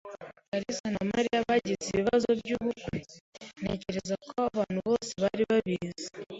kalisa na Mariya bagize ibibazo byubukwe. Ntekereza ko abantu bose bari babizi.